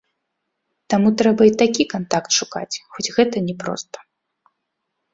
Таму трэба і такі кантакт шукаць, хоць гэта не проста.